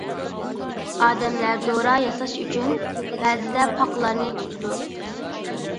ئادەملەر دورا ياساش ئۈچۈن بەزىدە پاقىلارنى تۇتىدۇ.